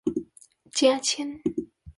加簽